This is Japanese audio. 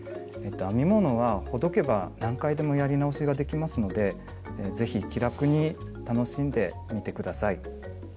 編み物はほどけば何回でもやり直しができますので是非気楽に楽しんでみて下さい。